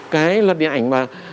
cái luật điện ảnh mà